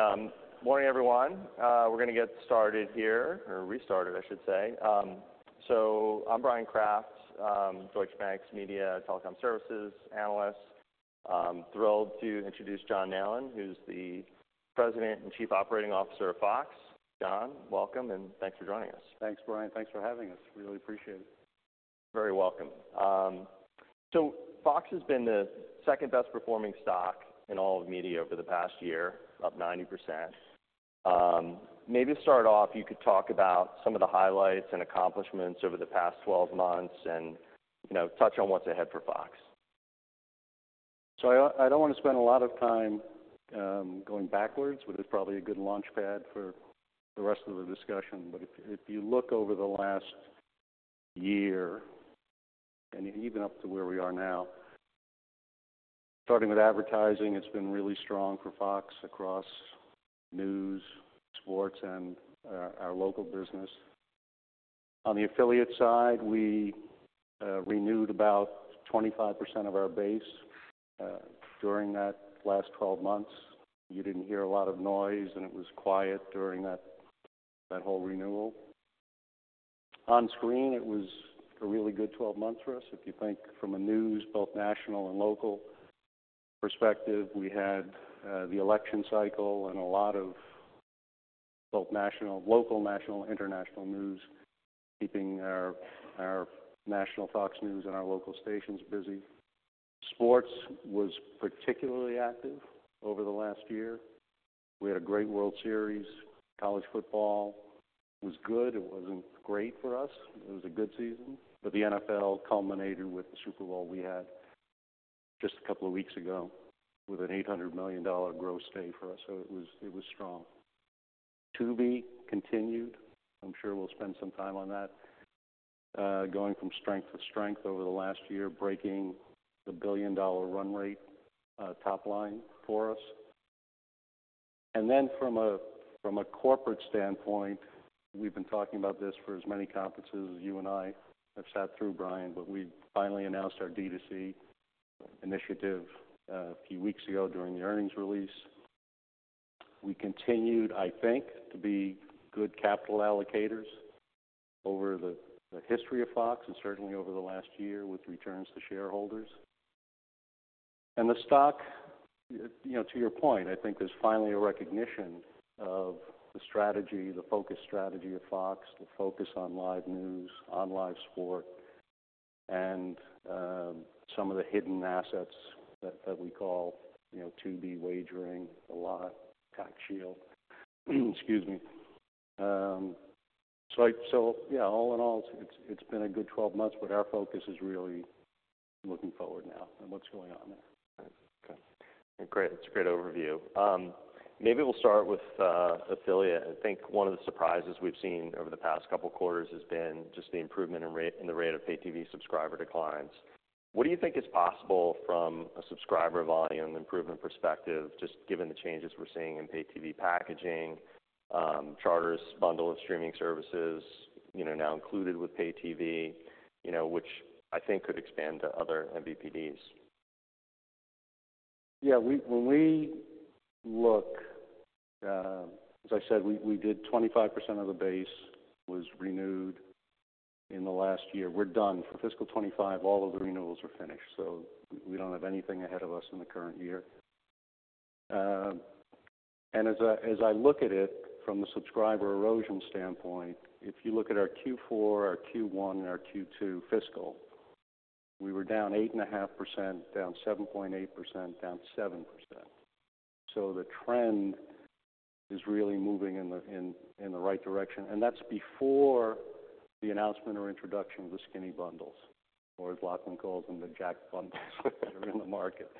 Okay, morning everyone. We're gonna get started here or restarted, I should say. I'm Bryan Kraft, Deutsche Bank's Media Telecom Services analyst. Thrilled to introduce John Nallen, who's the President and Chief Operating Officer of Fox. John, welcome and thanks for joining us. Thanks, Bryan. Thanks for having us. Really appreciate it. Very welcome. Fox has been the second-best performing stock in all of media over the past year, up 90%. Maybe to start off, you could talk about some of the highlights and accomplishments over the past 12 months and, you know, touch on what's ahead for Fox. I don't wanna spend a lot of time going backwards, but it's probably a good launchpad for the rest of the discussion. If you look over the last year and even up to where we are now, starting with advertising, it's been really strong for Fox across news, sports, and our local business. On the affiliate side, we renewed about 25% of our base during that last 12 months. You didn't hear a lot of noise, and it was quiet during that whole renewal. On screen, it was a really good 12 months for us. If you think from a news, both national and local perspective, we had the election cycle and a lot of both national, local, national, and international news, keeping our national Fox News and our local stations busy. Sports was particularly active over the last year. We had a great World Series. College football was good. It was not great for us. It was a good season. The NFL culminated with the Super Bowl we had just a couple of weeks ago with a $800 million gross take for us. It was strong. To be continued. I am sure we will spend some time on that, going from strength to strength over the last year, breaking the billion-dollar run rate, top line for us. From a corporate standpoint, we have been talking about this for as many conferences as you and I have sat through, Bryan, but we finally announced our D2C initiative a few weeks ago during the earnings release. We continued, I think, to be good capital allocators over the history of Fox and certainly over the last year with returns to shareholders. The stock, you know, to your point, I think there's finally a recognition of the strategy, the focus strategy of Fox, the focus on live news, on live sport, and some of the hidden assets that we call, you know, Tubi, wagering, The Lot, tax shield. Excuse me. Yeah, all in all, it's been a good 12 months, but our focus is really looking forward now and what's going on there. Okay. Great. That's a great overview. Maybe we'll start with affiliate. I think one of the surprises we've seen over the past couple of quarters has been just the improvement in rate, in the rate of Pay TV subscriber declines. What do you think is possible from a subscriber volume improvement perspective, just given the changes we're seeing in Pay TV packaging, Charter's bundle of streaming services, you know, now included with Pay TV, you know, which I think could expand to other MVPDs? Yeah. When we look, as I said, we did 25% of the base was renewed in the last year. We're done for fiscal 2025. All of the renewals are finished. We don't have anything ahead of us in the current year. As I look at it from the subscriber erosion standpoint, if you look at our Q4, our Q1, and our Q2 fiscal, we were down 8.5%, down 7.8%, down 7%. The trend is really moving in the right direction. That's before the announcement or introduction of the skinny bundles, or as Lachlan calls them, the junk bundles that are in the market.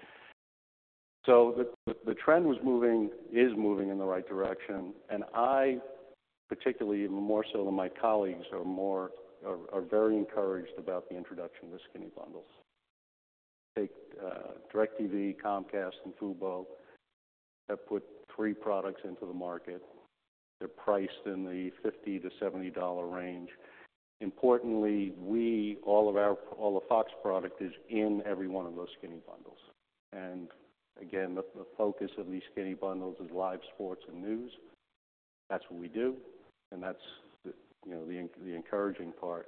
The trend was moving, is moving in the right direction. I particularly, even more so than my colleagues, am very encouraged about the introduction of the skinny bundles. DirecTV, Comcast, and Fubo have put three products into the market. They're priced in the $50-$70 range. Importantly, all of Fox's product is in every one of those skinny bundles. Again, the focus of these skinny bundles is live sports and news. That's what we do. That's the encouraging part.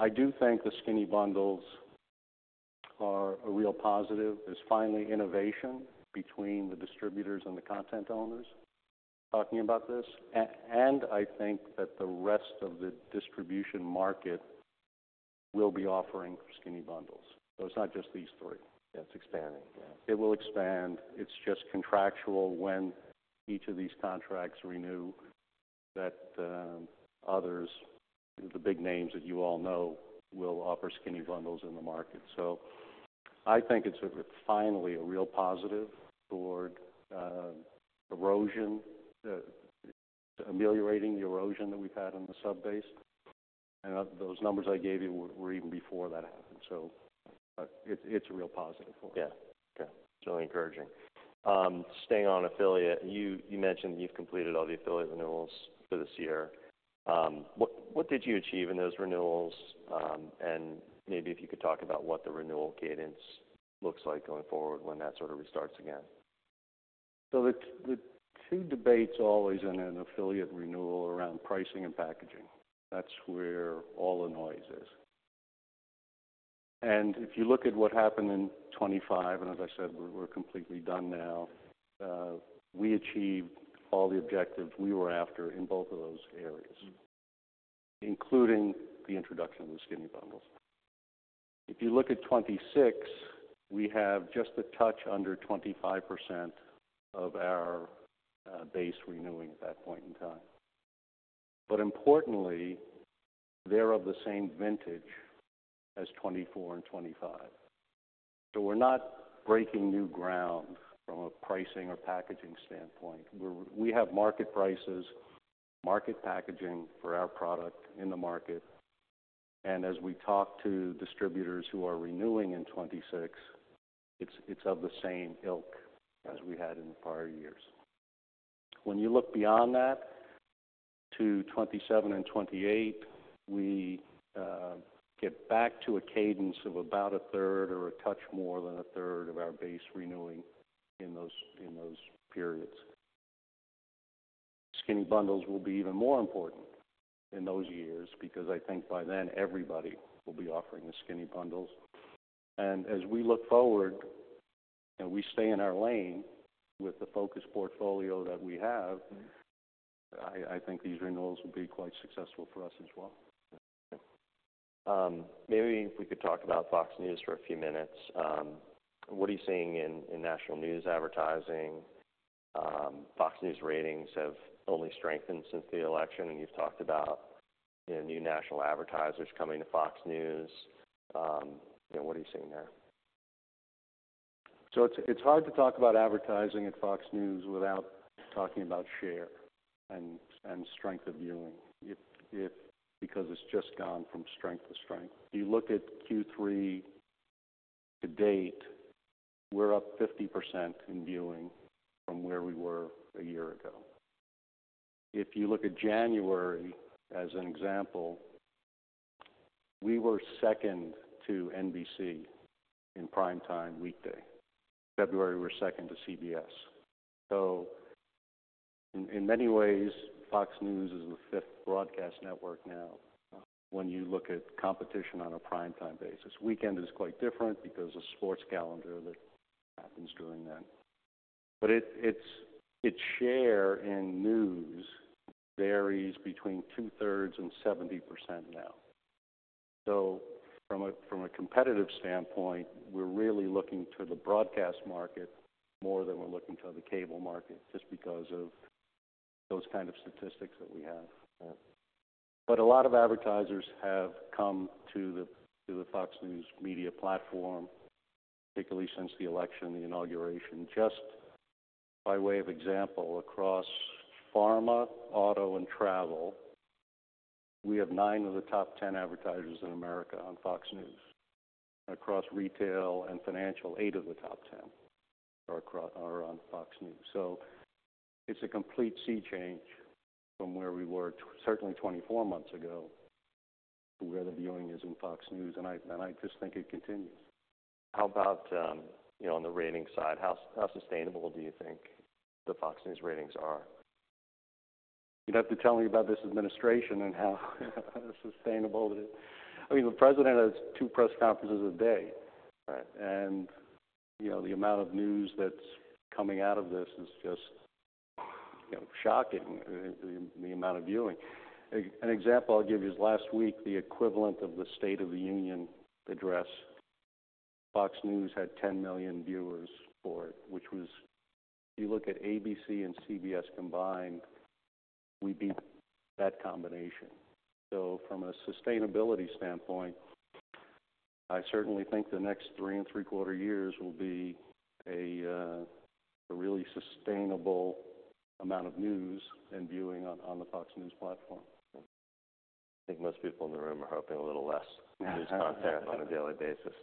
I do think the skinny bundles are a real positive. There's finally innovation between the distributors and the content owners talking about this. I think that the rest of the distribution market will be offering skinny bundles. It's not just these three. Yeah. It's expanding. Yeah. It will expand. It's just contractual when each of these contracts renew that others, the big names that you all know, will offer skinny bundles in the market. I think it's finally a real positive toward ameliorating the erosion that we've had on the subbase. Those numbers I gave you were even before that happened. It's a real positive for us. Yeah. Okay. It's really encouraging. Staying on affiliate, you mentioned that you've completed all the affiliate renewals for this year. What did you achieve in those renewals? And maybe if you could talk about what the renewal cadence looks like going forward when that sort of restarts again. The two debates always in an affiliate renewal are around pricing and packaging. That's where all the noise is. If you look at what happened in 2025, and as I said, we're completely done now, we achieved all the objectives we were after in both of those areas, including the introduction of the skinny bundles. If you look at 2026, we have just a touch under 25% of our base renewing at that point in time. Importantly, they're of the same vintage as 2024 and 2025. We're not breaking new ground from a pricing or packaging standpoint. We have market prices, market packaging for our product in the market. As we talk to distributors who are renewing in 2026, it's of the same ilk as we had in the prior years. When you look beyond that, to 2027 and 2028, we get back to a cadence of about a third or a touch more than a third of our base renewing in those periods. Skinny bundles will be even more important in those years because I think by then everybody will be offering the skinny bundles. As we look forward, you know, we stay in our lane with the focus portfolio that we have. Mm-hmm. I think these renewals will be quite successful for us as well. Okay. Maybe if we could talk about Fox News for a few minutes. What are you seeing in national news advertising? Fox News ratings have only strengthened since the election, and you've talked about, you know, new national advertisers coming to Fox News. You know, what are you seeing there? It's hard to talk about advertising at Fox News without talking about share and strength of viewing, because it's just gone from strength to strength. If you look at Q3 to date, we're up 50% in viewing from where we were a year ago. If you look at January, as an example, we were second to NBC in prime time weekday. In February, we were second to CBS. In many ways, Fox News is the fifth broadcast network now when you look at competition on a prime time basis. Weekend is quite different because of sports calendar that happens during that. Its share in news varies between two-thirds and 70% now. From a competitive standpoint, we're really looking to the broadcast market more than we're looking to the cable market just because of those kind of statistics that we have. Yeah. A lot of advertisers have come to the Fox News Media platform, particularly since the election and the inauguration. Just by way of example, across pharma, auto, and travel, we have nine of the top 10 advertisers in America on Fox News. Across retail and financial, eight of the top 10 are on Fox News. It is a complete sea change from where we were certainly 24 months ago to where the viewing is in Fox News. I just think it continues. How about, you know, on the rating side, how sustainable do you think the Fox News ratings are? You'd have to tell me about this administration and how sustainable it is. I mean, the president has two press conferences a day. Right. You know, the amount of news that's coming out of this is just, you know, shocking, the amount of viewing. An example I'll give you is last week, the equivalent of the State of the Union address, Fox News had 10 million viewers for it, which was, if you look at ABC and CBS combined, we beat that combination. From a sustainability standpoint, I certainly think the next three and three-quarter years will be a really sustainable amount of news and viewing on the Fox News platform. I think most people in the room are hoping a little less news content on a daily basis,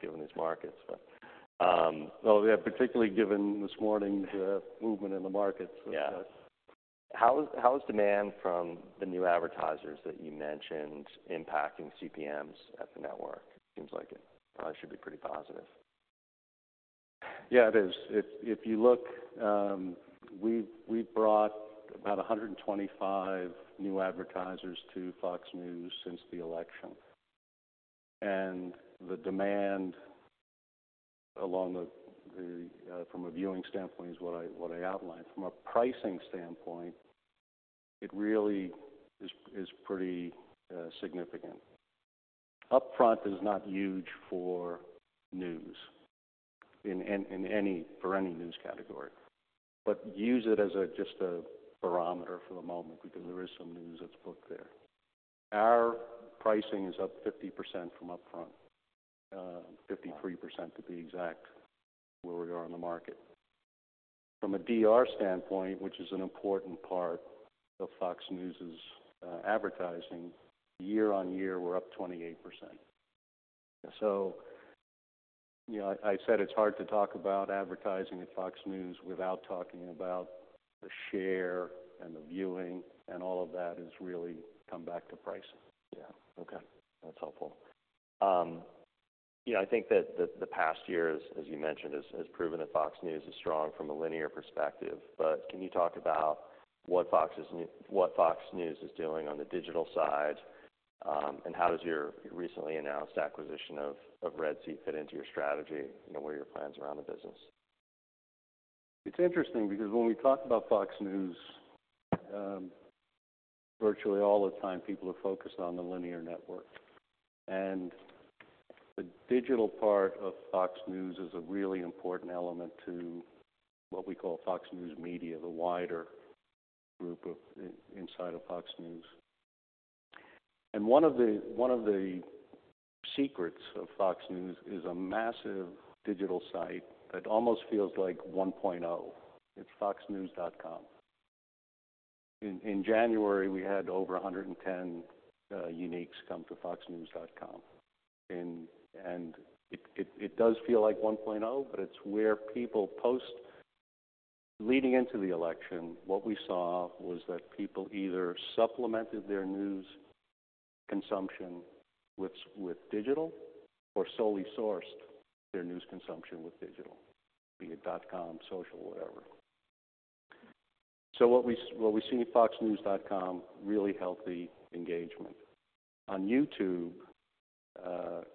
given these markets. Yeah, particularly given this morning's movement in the markets. Yeah. How is, how is demand from the new advertisers that you mentioned impacting CPMs at the network? Seems like it probably should be pretty positive. Yeah, it is. If you look, we've brought about 125 new advertisers to Fox News since the election. The demand from a viewing standpoint is what I outlined. From a pricing standpoint, it really is pretty significant. Upfront is not huge for news in any, for any news category. Use it as just a barometer for the moment because there is some news that's booked there. Our pricing is up 50% from upfront, 53% to be exact, where we are in the market. From a DR standpoint, which is an important part of Fox News's advertising, year on year, we're up 28%. So, you know, I said it's hard to talk about advertising at Fox News without talking about the share and the viewing and all of that has really come back to pricing. Yeah. Okay. That's helpful. You know, I think that the past year has, as you mentioned, has proven that Fox News is strong from a linear perspective. But can you talk about what Fox is, what Fox News is doing on the digital side, and how does your recently announced acquisition of Red Seat fit into your strategy, you know, where your plans are on the business? It's interesting because when we talk about Fox News, virtually all the time, people are focused on the linear network. The digital part of Fox News is a really important element to what we call Fox News Media, the wider group inside of Fox News. One of the secrets of Fox News is a massive digital site that almost feels like 1.0. It's foxnews.com. In January, we had over 110 million uniques come to foxnews.com. It does feel like 1.0, but it's where people post leading into the election. What we saw was that people either supplemented their news consumption with digital or solely sourced their news consumption with digital, be it dot com, social, whatever. What we see in foxnews.com is really healthy engagement. On YouTube,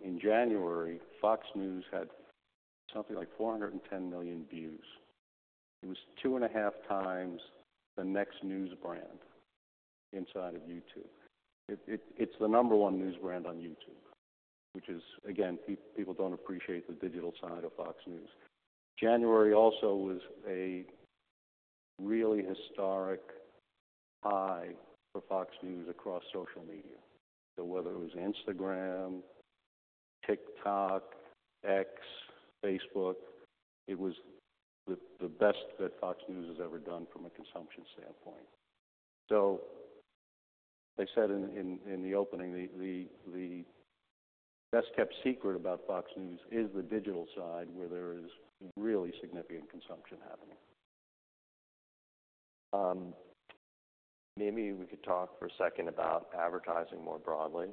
in January, Fox News had something like 410 million views. It was two and a half times the next news brand inside of YouTube. It's the number one news brand on YouTube, which is, again, people don't appreciate the digital side of Fox News. January also was a really historic high for Fox News across social media. Whether it was Instagram, TikTok, X, Facebook, it was the best that Fox News has ever done from a consumption standpoint. I said in the opening, the best kept secret about Fox News is the digital side where there is really significant consumption happening. Maybe we could talk for a second about advertising more broadly.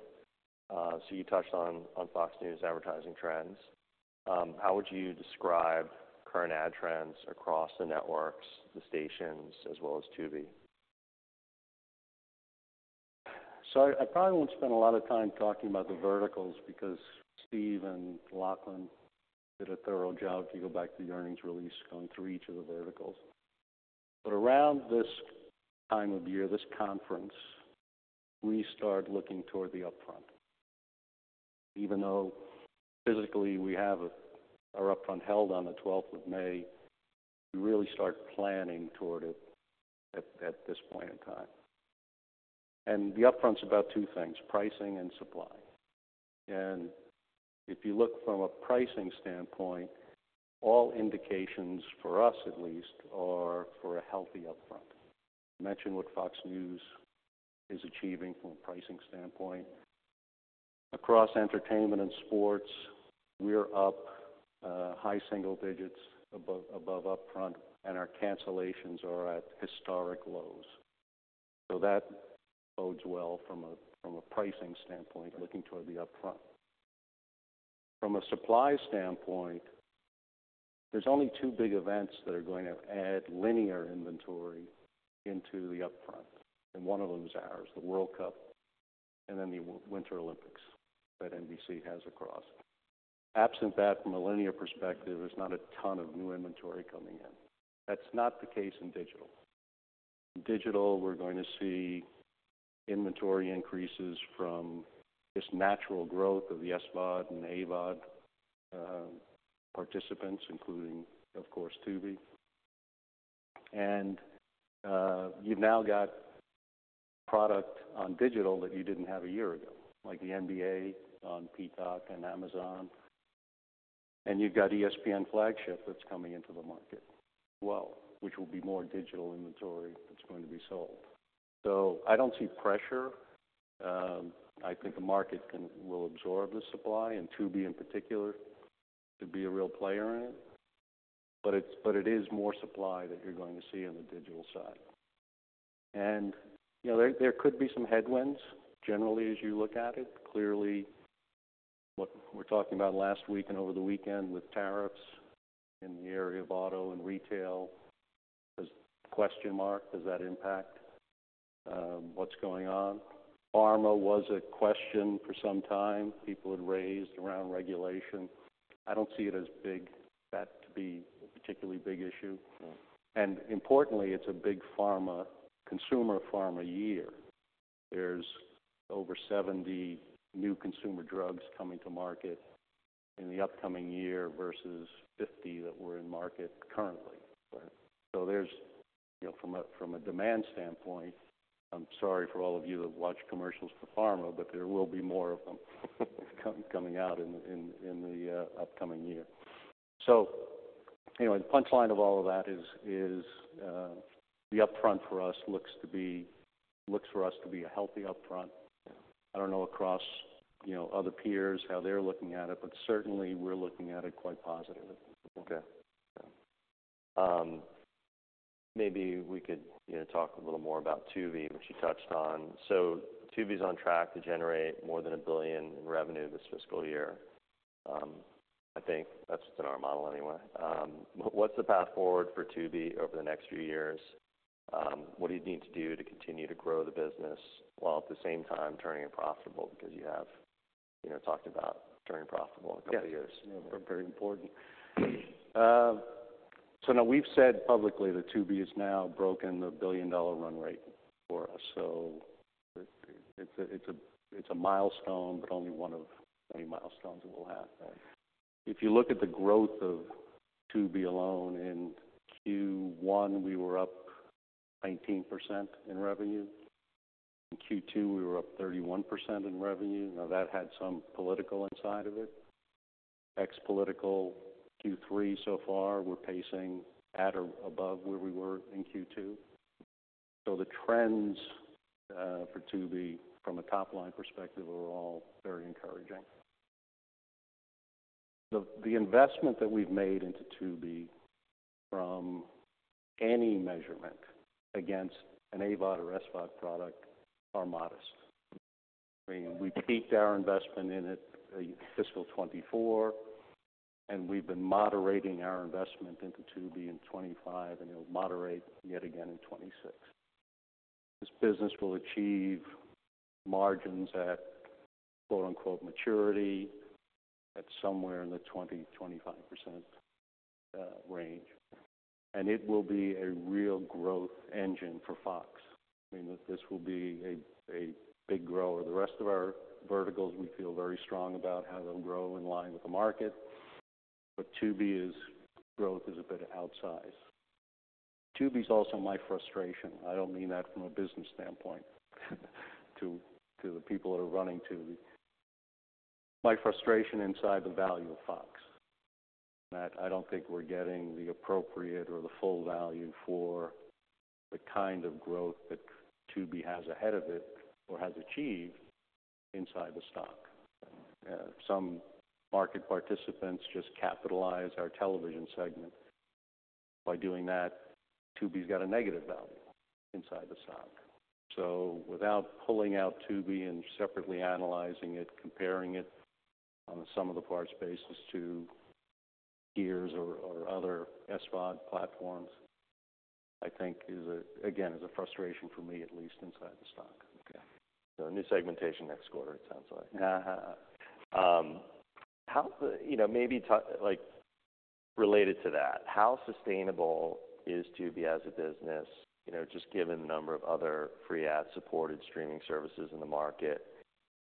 You touched on, on Fox News advertising trends. How would you describe current ad trends across the networks, the stations, as well as Tubi? I probably won't spend a lot of time talking about the verticals because Steve and Lachlan did a thorough job. If you go back to the earnings release, gone through each of the verticals. Around this time of year, this conference, we start looking toward the upfront. Even though physically we have our upfront held on the 12th of May, we really start planning toward it at this point in time. The upfront's about two things: pricing and supply. If you look from a pricing standpoint, all indications for us, at least, are for a healthy upfront. Mention what Fox News is achieving from a pricing standpoint. Across entertainment and sports, we're up, high single digits above upfront, and our cancellations are at historic lows. That bodes well from a pricing standpoint, looking toward the upfront. From a supply standpoint, there's only two big events that are going to add linear inventory into the upfront. One of them is ours, the World Cup, and then the Olympics that NBC has across. Absent that, from a linear perspective, there's not a ton of new inventory coming in. That's not the case in digital. In digital, we're going to see inventory increases from this natural growth of the SVOD and AVOD participants, including, of course, Tubi. You've now got product on digital that you didn't have a year ago, like the NBA on Peacock and Amazon. You've got ESPN Flagship that's coming into the market as well, which will be more digital inventory that's going to be sold. I don't see pressure. I think the market will absorb the supply, and Tubi in particular could be a real player in it. It is more supply that you're going to see on the digital side. You know, there could be some headwinds generally as you look at it. Clearly, what we're talking about last week and over the weekend with tariffs in the area of auto and retail is question mark. Does that impact what's going on? Pharma was a question for some time. People had raised around regulation. I don't see it as big that to be a particularly big issue. Yeah. Importantly, it's a big pharma consumer pharma year. There's over 70 new consumer drugs coming to market in the upcoming year versus 50 that were in market currently. Right. There's, you know, from a demand standpoint, I'm sorry for all of you that watch commercials for pharma, but there will be more of them coming out in the upcoming year. You know, the punchline of all of that is, the upfront for us looks to be a healthy upfront. I don't know across, you know, other peers how they're looking at it, but certainly we're looking at it quite positively. Okay. Yeah. Maybe we could, you know, talk a little more about Tubi, which you touched on. Tubi's on track to generate more than $1 billion in revenue this fiscal year. I think that's within our model anyway. What's the path forward for Tubi over the next few years? What do you need to do to continue to grow the business while at the same time turning it profitable because you have, you know, talked about turning profitable a couple of years? Yeah. Very important. Now we've said publicly that Tubi has now broken the billion-dollar run rate for us. It's a milestone, but only one of many milestones that we'll have. Right. If you look at the growth of Tubi alone in Q1, we were up 19% in revenue. In Q2, we were up 31% in revenue. That had some political inside of it, ex-political. Q3 so far, we're pacing at or above where we were in Q2. The trends, for Tubi from a top-line perspective are all very encouraging. The investment that we've made into Tubi from any measurement against an AVOD or SVOD product are modest. I mean, we peaked our investment in it, fiscal 2024, and we've been moderating our investment into Tubi in 2025, and it'll moderate yet again in 2026. This business will achieve margins at "maturity" at somewhere in the 20-25% range. It will be a real growth engine for Fox. I mean, this will be a big grower. The rest of our verticals, we feel very strong about how they'll grow in line with the market. Tubi's growth is a bit outsized. Tubi's also my frustration. I don't mean that from a business standpoint to the people that are running Tubi. My frustration inside the value of Fox is that I don't think we're getting the appropriate or the full value for the kind of growth that Tubi has ahead of it or has achieved inside the stock. Some market participants just capitalize our television segment. By doing that, Tubi's got a negative value inside the stock. Without pulling out Tubi and separately analyzing it, comparing it on a sum of the parts basis to peers or other SVOD platforms, I think is a, again, is a frustration for me, at least inside the stock. Okay. New segmentation next quarter, it sounds like. Uh-huh. How, you know, maybe talk like related to that, how sustainable is Tubi as a business, you know, just given the number of other free ad-supported streaming services in the market?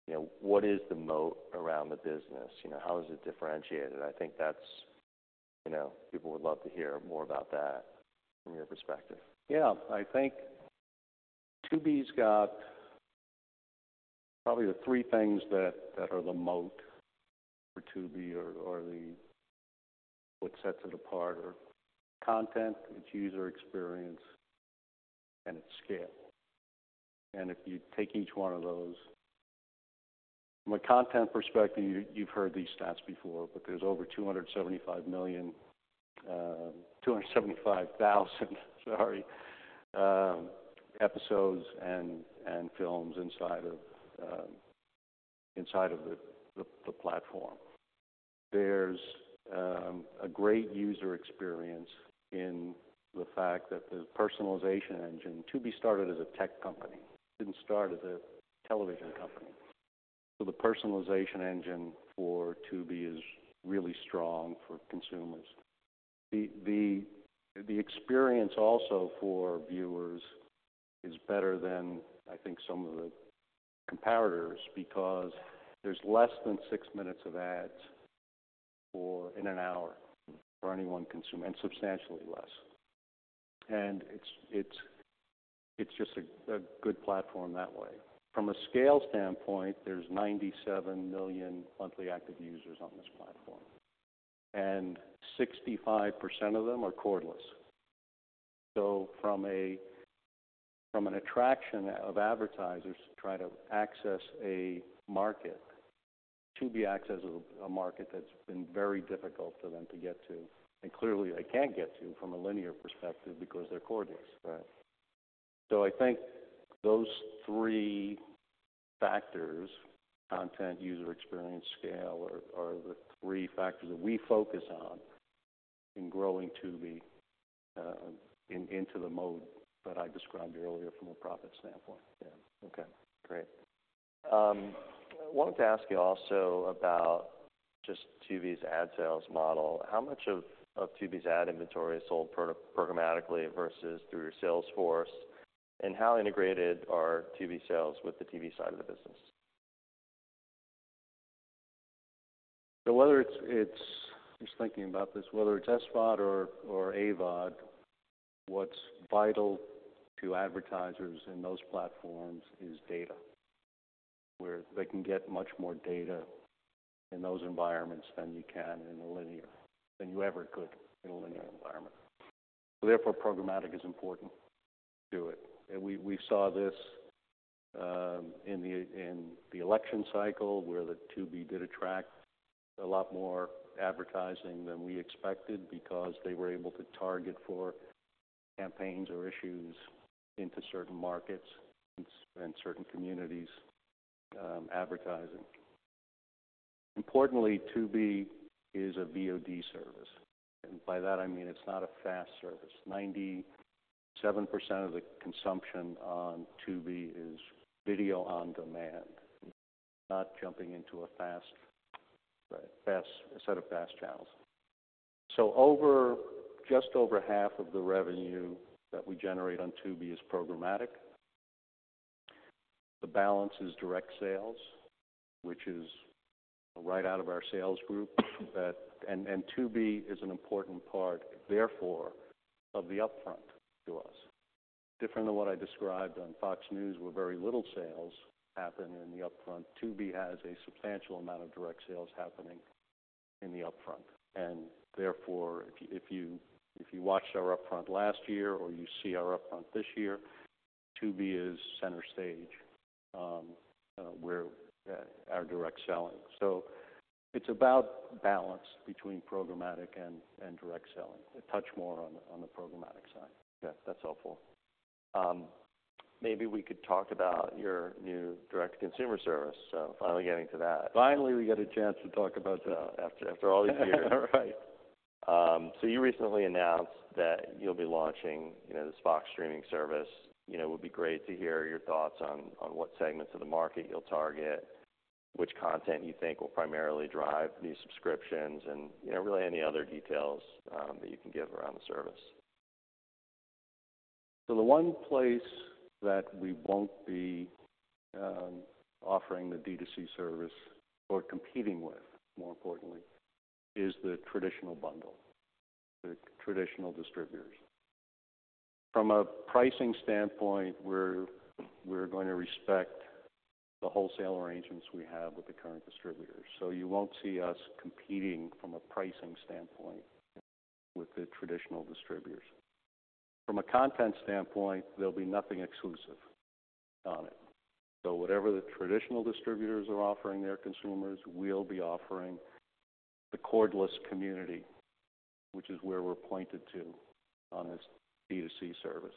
You know, what is the moat around the business? You know, how is it differentiated? I think that's, you know, people would love to hear more about that from your perspective. Yeah. I think Tubi's got probably the three things that are the moat for Tubi or what sets it apart are content, its user experience, and its scale. If you take each one of those, from a content perspective, you've heard these stats before, but there's over 275,000 episodes and films inside of the platform. There's a great user experience in the fact that the personalization engine, Tubi started as a tech company. It didn't start as a television company. The personalization engine for Tubi is really strong for consumers. The experience also for viewers is better than, I think, some of the comparators because there's less than six minutes of ads in an hour for any one consumer and substantially less. It's just a good platform that way. From a scale standpoint, there's 97 million monthly active users on this platform, and 65% of them are cordless. From an attraction of advertisers to try to access a market, Tubi accesses a market that's been very difficult for them to get to, and clearly they can't get to from a linear perspective because they're cordless. Right. I think those three factors—content, user experience, scale—are the three factors that we focus on in growing Tubi, into the moat that I described earlier from a profit standpoint. Yeah. Okay. Great. I wanted to ask you also about just Tubi's ad sales model. How much of, of Tubi's ad inventory is sold programmatically versus through Salesforce? And how integrated are Tubi's sales with the Tubi side of the business? Whether it's SVOD or AVOD, what's vital to advertisers in those platforms is data, where they can get much more data in those environments than you can in a linear, than you ever could in a linear environment. Therefore, programmatic is important to it. We saw this in the election cycle where Tubi did attract a lot more advertising than we expected because they were able to target for campaigns or issues into certain markets and certain communities, advertising. Importantly, Tubi is a VOD service. By that, I mean it's not a FAST service. 97% of the consumption on Tubi is video on demand, not jumping into a FAST. Right. Fast set of FAST channels. Just over half of the revenue that we generate on Tubi is programmatic. The balance is direct sales, which is right out of our sales group that—and Tubi is an important part, therefore, of the upfront to us. Different than what I described on Fox News, where very little sales happen in the upfront, Tubi has a substantial amount of direct sales happening in the upfront. Therefore, if you watched our upfront last year or you see our upfront this year, Tubi is center stage, where our direct selling. It is about balance between programmatic and direct selling. I touch more on the programmatic side. Okay. That's helpful. Maybe we could talk about your new direct-to-consumer service. Finally getting to that. Finally, we got a chance to talk about that after all these years. Right. You recently announced that you'll be launching, you know, this Fox streaming service. You know, it would be great to hear your thoughts on, on what segments of the market you'll target, which content you think will primarily drive these subscriptions, and, you know, really any other details that you can give around the service. The one place that we won't be offering the D2C service or competing with, more importantly, is the traditional bundle, the traditional distributors. From a pricing standpoint, we're going to respect the wholesale arrangements we have with the current distributors. You won't see us competing from a pricing standpoint with the traditional distributors. From a content standpoint, there will be nothing exclusive on it. Whatever the traditional distributors are offering their consumers, we'll be offering the cordless community, which is where we're pointed to on this D2C service.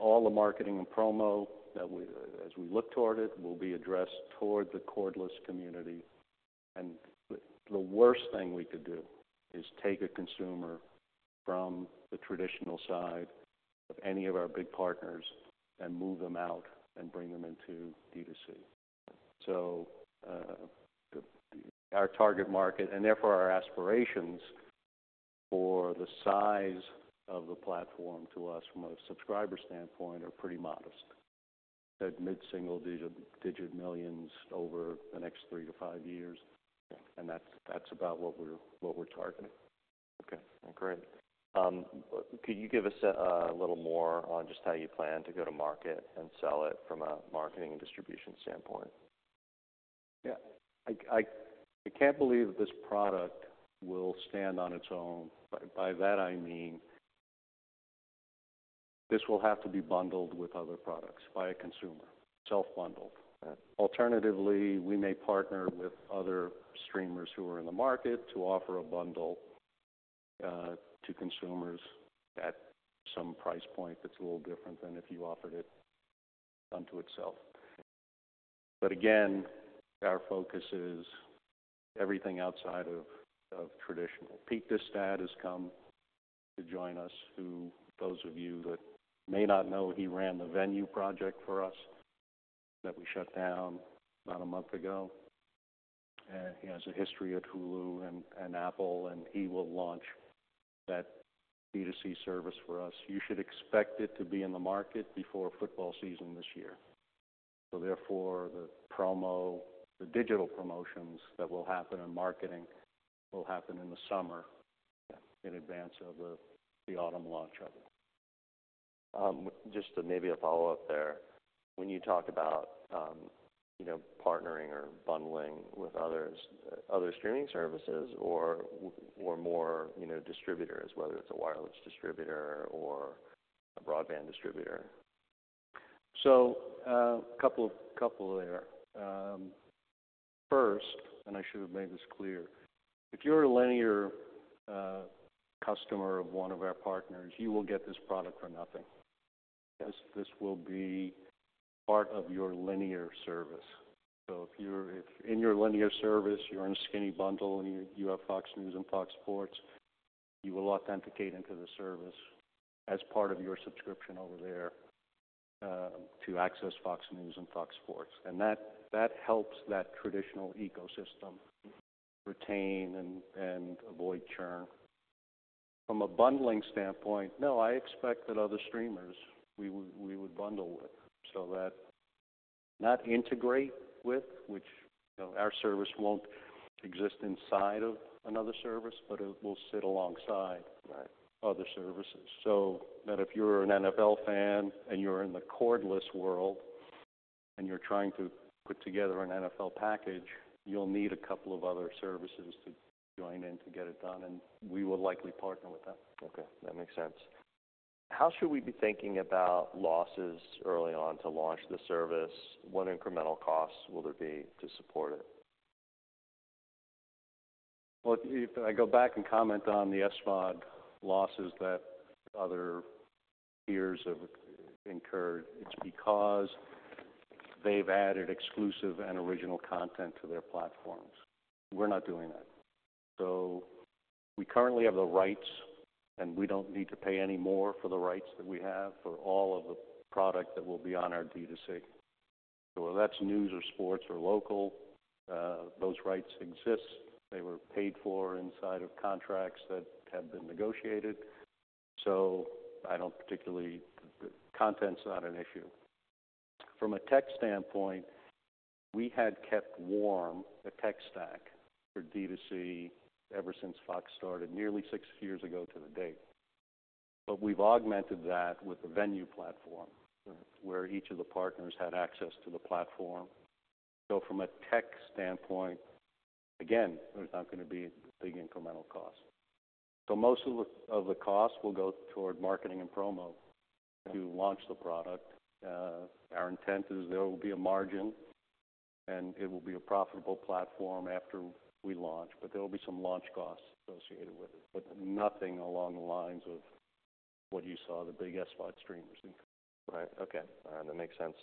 All the marketing and promo that we—as we look toward it—will be addressed toward the cordless community. The worst thing we could do is take a consumer from the traditional side of any of our big partners and move them out and bring them into D2C. So, the target market and therefore our aspirations for the size of the platform to us from a subscriber standpoint are pretty modest. That mid-single digit millions over the next three to five years. Okay. That's about what we're targeting. Okay. Great. Could you give us a little more on just how you plan to go to market and sell it from a marketing and distribution standpoint? Yeah. I can't believe this product will stand on its own. By that, I mean this will have to be bundled with other products by a consumer, self-bundled. Right. Alternatively, we may partner with other streamers who are in the market to offer a bundle to consumers at some price point that's a little different than if you offered it unto itself. Again, our focus is everything outside of traditional. Pete Distad has come to join us, who, those of you that may not know, ran the Venu Project for us that we shut down about a month ago. He has a history at Hulu and Apple, and he will launch that D2C service for us. You should expect it to be in the market before football season this year. Therefore, the digital promotions that will happen in marketing will happen in the summer. Yeah. In advance of the autumn launch of it. Just to maybe a follow-up there, when you talk about, you know, partnering or bundling with others, other streaming services or, or more, you know, distributors, whether it's a wireless distributor or a broadband distributor? A couple there. First, and I should have made this clear, if you're a linear customer of one of our partners, you will get this product for nothing. This will be part of your linear service. If in your linear service, you're in a skinny bundle and you have Fox News and Fox Sports, you will authenticate into the service as part of your subscription over there to access Fox News and Fox Sports. That helps that traditional ecosystem retain and avoid churn. From a bundling standpoint, no, I expect that other streamers we would bundle with. That integrate with, which, you know, our service won't exist inside of another service, but it will sit alongside. Right. Other services. If you're an NFL fan and you're in the cordless world and you're trying to put together an NFL package, you'll need a couple of other services to join in to get it done, and we will likely partner with them. Okay. That makes sense. How should we be thinking about losses early on to launch the service? What incremental costs will there be to support it? If I go back and comment on the SVOD losses that other peers have incurred, it's because they've added exclusive and original content to their platforms. We're not doing that. We currently have the rights, and we don't need to pay any more for the rights that we have for all of the product that will be on our D2C. Whether that's news or sports or local, those rights exist. They were paid for inside of contracts that have been negotiated. I don't particularly, the content's not an issue. From a tech standpoint, we had kept warm a tech stack for D2C ever since Fox started nearly six years ago to the date. We've augmented that with the Venu platform. Right. Where each of the partners had access to the platform. From a tech standpoint, again, there's not going to be a big incremental cost. Most of the cost will go toward marketing and promo. Okay. To launch the product. Our intent is there will be a margin, and it will be a profitable platform after we launch, but there will be some launch costs associated with it, but nothing along the lines of what you saw the big SVOD streamers do. Right. Okay. All right. That makes sense.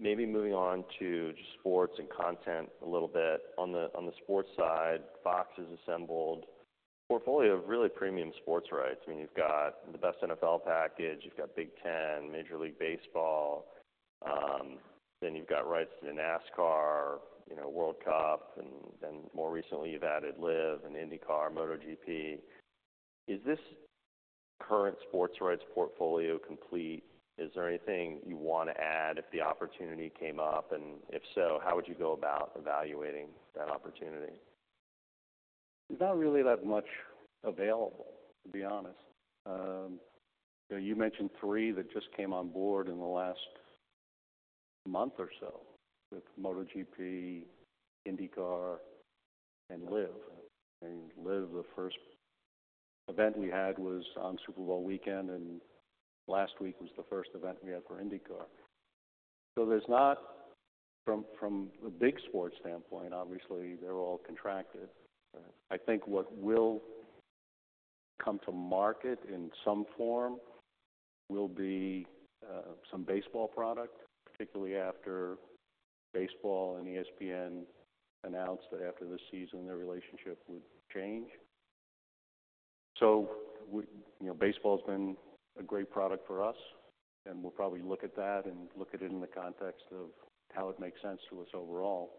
Maybe moving on to just sports and content a little bit. On the, on the sports side, Fox has assembled a portfolio of really premium sports rights. I mean, you've got the best NFL package. You've got Big Ten, Major League Baseball. Then you've got rights to NASCAR, you know, World Cup, and then more recently you've added LIV and IndyCar, MotoGP. Is this current sports rights portfolio complete? Is there anything you want to add if the opportunity came up? And if so, how would you go about evaluating that opportunity? Not really that much available, to be honest. You know, you mentioned three that just came on board in the last month or so with MotoGP, IndyCar, and LIV. And LIV, the first event we had was on Super Bowl weekend, and last week was the first event we had for IndyCar. So there's not, from the big sports standpoint, obviously, they're all contracted. Right. I think what will come to market in some form will be, some baseball product, particularly after baseball and ESPN announced that after this season their relationship would change. You know, baseball's been a great product for us, and we'll probably look at that and look at it in the context of how it makes sense to us overall.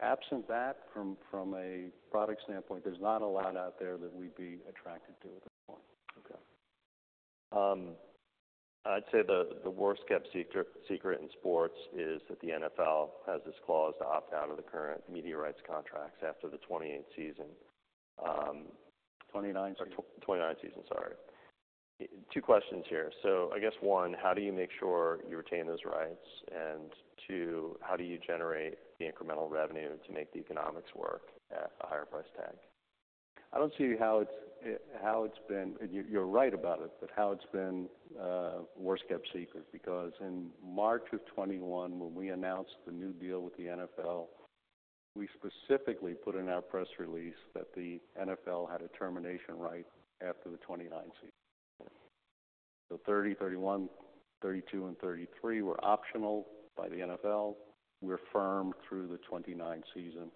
Absent that, from a product standpoint, there's not a lot out there that we'd be attracted to at this point. Okay. I'd say the worst kept secret in sports is that the NFL has this clause to opt out of the current media rights contracts after the 2028 season. 2029 season? Twenty-nine season. Sorry. Two questions here. I guess one, how do you make sure you retain those rights? And two, how do you generate the incremental revenue to make the economics work at a higher price tag? I don't see how it's, how it's been, and you're right about it, but how it's been, worst kept secret. Because in March of 2021, when we announced the new deal with the NFL, we specifically put in our press release that the NFL had a termination right after the 2029 season. Right. 2030, 2031, 2032, and 2033 were optional by the NFL. We're firm through the 2029 season.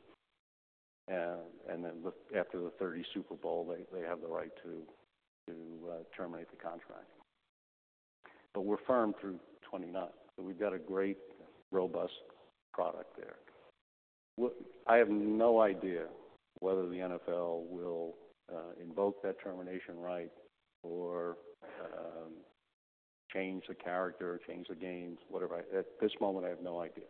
After the 2030 Super Bowl, they have the right to terminate the contract. We're firm through 2029. We've got a great, robust product there. I have no idea whether the NFL will invoke that termination right or change the character, change the games, whatever. At this moment, I have no idea.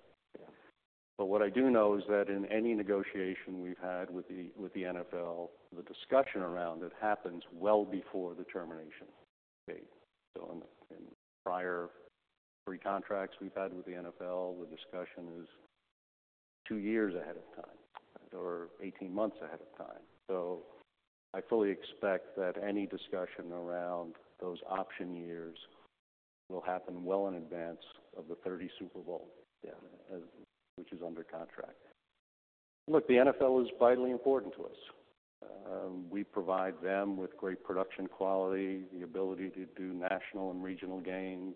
Yeah. What I do know is that in any negotiation we've had with the NFL, the discussion around it happens well before the termination date. In prior pre-contracts we've had with the NFL, the discussion is two years ahead of time or 18 months ahead of time. I fully expect that any discussion around those option years will happen well in advance of the 2030 Super Bowl, which is under contract. Look, the NFL is vitally important to us. We provide them with great production quality, the ability to do national and regional games.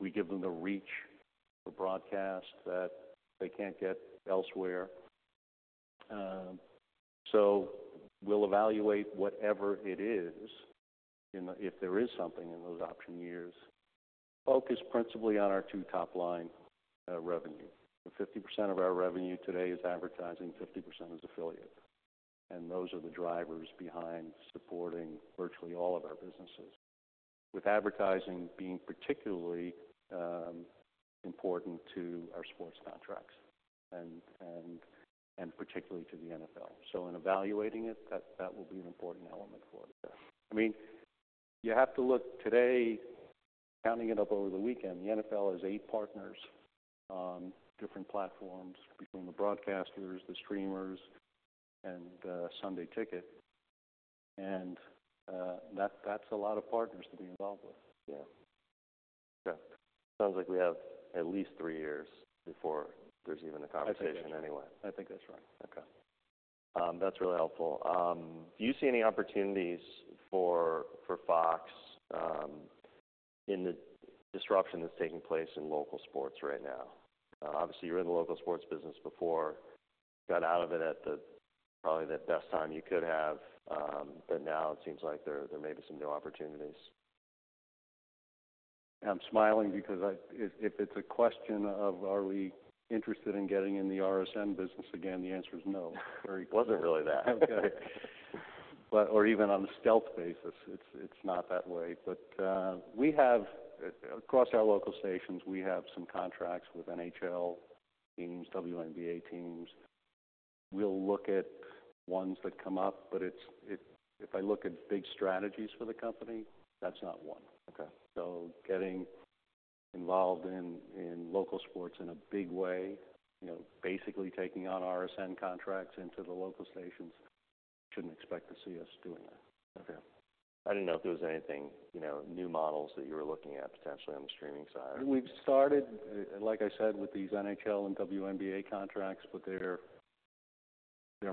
We give them the reach for broadcast that they can't get elsewhere. We'll evaluate whatever it is if there is something in those option years. We focus principally on our two top line, revenue. So 50% of our revenue today is advertising, 50% is affiliates. And those are the drivers behind supporting virtually all of our businesses, with advertising being particularly important to our sports contracts and, and, and particularly to the NFL. In evaluating it, that will be an important element for us. I mean, you have to look today, counting it up over the weekend, the NFL has eight partners, different platforms between the broadcasters, the streamers, and Sunday Ticket. That, that's a lot of partners to be involved with. Yeah. Okay. Sounds like we have at least three years before there's even a conversation anyway. I think that's right. Okay. That's really helpful. Do you see any opportunities for Fox in the disruption that's taking place in local sports right now? Obviously, you were in the local sports business before. You got out of it at probably the best time you could have. Now it seems like there may be some new opportunities. I'm smiling because if it's a question of, "Are we interested in getting in the RSN business again?" the answer is no. It wasn't really that. Okay. Even on the stealth basis, it's not that way. We have across our local stations, we have some contracts with NHL teams, WNBA teams. We'll look at ones that come up, but if I look at big strategies for the company, that's not one. Okay. Getting involved in, in local sports in a big way, you know, basically taking on RSN contracts into the local stations, you shouldn't expect to see us doing that. Okay. I didn't know if there was anything, you know, new models that you were looking at potentially on the streaming side. We've started, like I said, with these NHL and WNBA contracts, but they're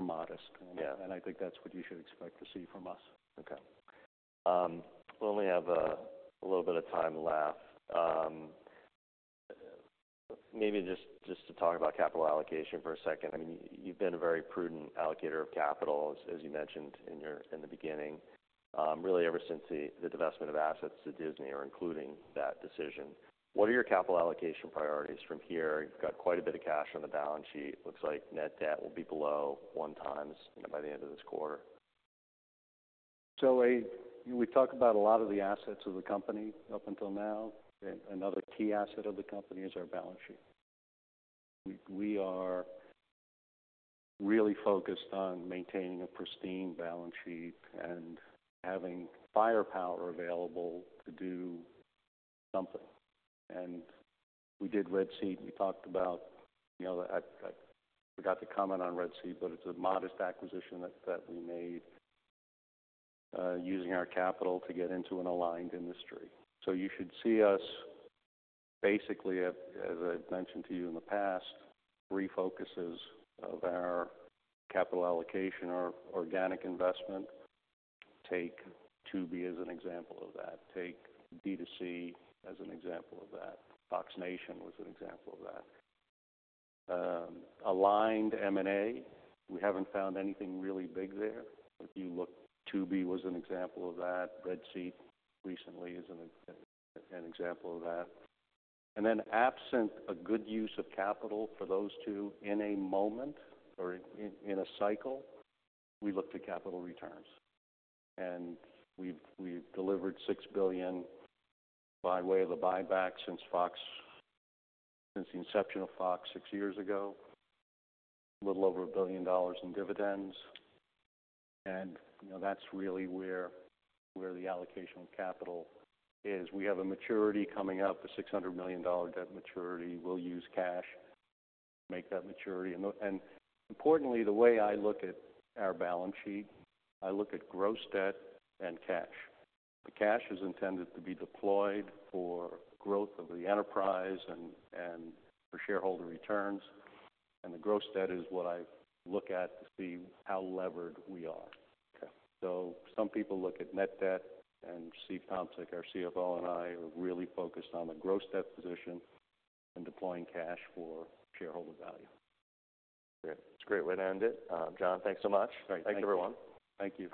modest. Yeah. I think that's what you should expect to see from us. Okay. We only have a little bit of time left. Maybe just to talk about capital allocation for a second. I mean, you've been a very prudent allocator of capital, as you mentioned in your in the beginning. Really, ever since the divestment of assets to Disney or including that decision, what are your capital allocation priorities from here? You've got quite a bit of cash on the balance sheet. Looks like net debt will be below one times, you know, by the end of this quarter. As we talk about a lot of the assets of the company up until now, another key asset of the company is our balance sheet. We are really focused on maintaining a pristine balance sheet and having firepower available to do something. We did Red Seat. We talked about, you know, I forgot to comment on Red Seat, but it's a modest acquisition that we made, using our capital to get into an aligned industry. You should see us basically, as I've mentioned to you in the past, three focuses of our capital allocation: our organic investment, take Tubi as an example of that, take D2C as an example of that, Fox Nation was an example of that. Aligned M&A. We haven't found anything really big there. If you look, Tubi was an example of that. Red Seat recently is an example of that. Absent a good use of capital for those two in a moment or in a cycle, we look to capital returns. We have delivered $6 billion by way of the buyback since Fox, since the inception of Fox six years ago, a little over $1 billion in dividends. You know, that's really where the allocation of capital is. We have a maturity coming up, a $600 million debt maturity. We'll use cash to make that maturity. Importantly, the way I look at our balance sheet, I look at gross debt and cash. The cash is intended to be deployed for growth of the enterprise and for shareholder returns. The gross debt is what I look at to see how levered we are. Okay. Some people look at net debt and Steve Tomsic, our CFO and I, are really focused on the gross debt position and deploying cash for shareholder value. Great. That's a great way to end it. John, thanks so much. All right. Thanks, everyone. Thank you.